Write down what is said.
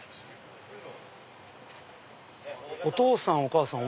「お父さんお母さん